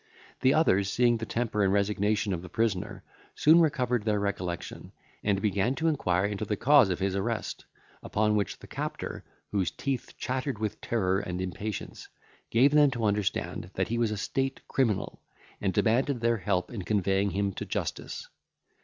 The others, seeing the temper and resignation of the prisoner, soon recovered their recollection, and began to inquire into the cause of his arrest, upon which, the captor, whose teeth chattered with terror and impatience, gave them to understand that he was a state criminal, and demanded their help in conveying him to justice.